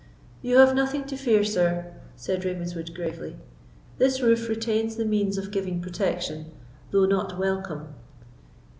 "You have nothing to fear, sir," said Ravenswood, gravely; "this roof retains the means of giving protection, though not welcome.